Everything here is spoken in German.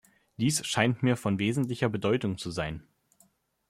Dies scheint mir von wesentlicher Bedeutung zu sein.